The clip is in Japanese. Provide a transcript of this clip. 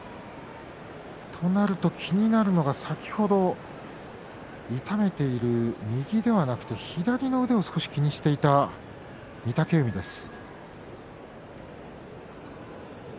となると気になるのは、先ほど痛めている右ではなくて左の腕を少し気にしていた御嶽海です。